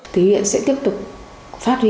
thế hiện sẽ tiếp tục phát huy